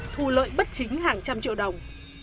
thu lợi bất chính hàng trăm triệu đồng